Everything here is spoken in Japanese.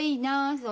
そう？